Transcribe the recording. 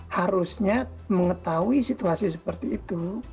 harusnya mengetahui situasi seperti itu